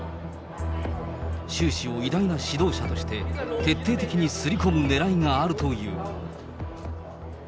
習氏を偉大な指導者として、徹底的に刷り込むねらいがあるという。